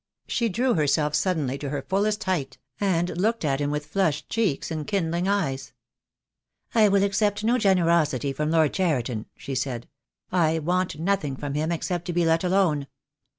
She drew herself suddenly to her fullest height, and looked at him with flushed cheeks and kindling eyes. "I will accept no generosity from Lord Cheriton," she said. "I want nothing from him except to be let alone.